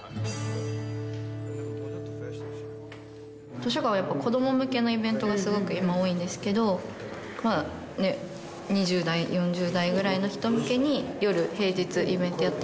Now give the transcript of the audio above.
図書館はやっぱり子ども向けのイベントがすごく今多いんですけどまあね２０代４０代ぐらいの人向けに夜平日イベントをやってみるとか。